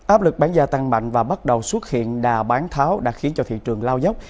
áp lực bán gia tăng mạnh và bắt đầu xuất hiện đà bán tháo đã khiến cho thị trường lao dốc